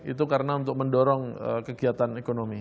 itu karena untuk mendorong kegiatan ekonomi